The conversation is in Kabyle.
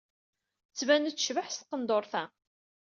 Tettban-d tecbeḥ s tqendurt-a.